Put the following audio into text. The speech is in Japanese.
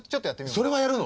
それはやるの？